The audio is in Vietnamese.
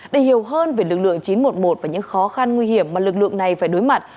để hiểu hơn về lực lượng chín trăm một mươi một và những khó khăn nguy hiểm mà lực lượng này phải đối mặt